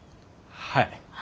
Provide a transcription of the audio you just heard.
はい。